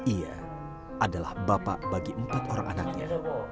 ia adalah bapak bagi empat orang anaknya